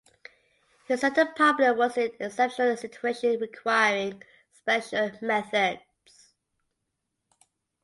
He said the problem was an "exceptional situation" requiring "special methods".